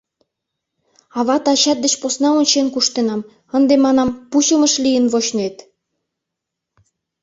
Ават-ачат деч посна ончен куштенам, ынде, манам, пучымыш лийын вочнет.